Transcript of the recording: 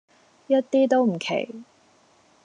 一啲都唔奇